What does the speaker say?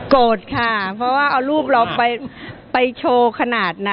โกรธค่ะเพราะว่าเอารูปเราไปโชว์ขนาดนั้น